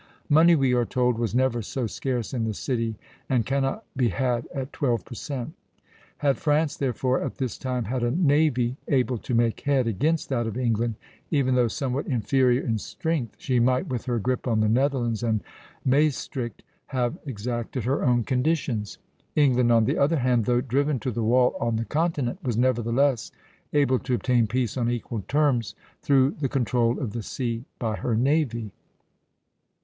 "Money," we are told, "was never so scarce in the city, and cannot be had at twelve per cent." Had France, therefore, at this time had a navy able to make head against that of England, even though somewhat inferior in strength, she might, with her grip on the Netherlands and Maestricht, have exacted her own conditions. England, on the other hand, though driven to the wall on the continent, was nevertheless able to obtain peace on equal terms, through the control of the sea by her navy.